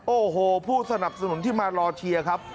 โอ้โหผู้สนับสนุนที่มารอเชียร์ครับ